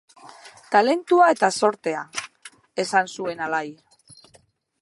Talentua eta zortea, esan zuen alai.